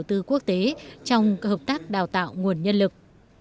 các nhà đầu tư quốc tế trong hợp tác đào tạo nguồn nhân lực